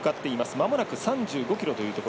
まもなく３５ｋｍ。